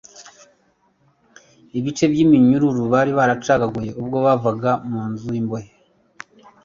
Ibice by'iminyururu bari baracagaguye ubwo bavaga mu nzu y'imbohe